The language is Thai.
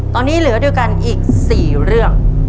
ตอนนี้เหลือด้วยกันอีก๔เรื่อง